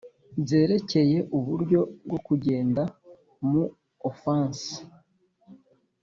byerekeye uburyo bwo kugenda mu offences